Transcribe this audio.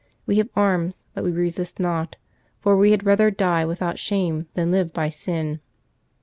We have arms, but we resist not, for we had rather die without shame than live by sin."